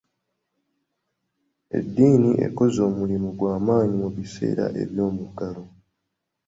Edddiini ekoze omulimu gwa maanyi mu biseera by'omuggalo.